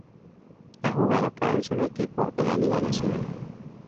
Ha jugado para un solo equipo en la Liga Nacional.